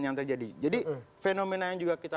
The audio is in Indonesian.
yang terjadi jadi fenomena yang juga kita